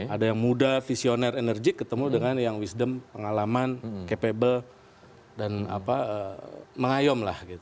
ada yang muda visioner enerjik ketemu dengan yang wisdom pengalaman capable dan mengayom lah gitu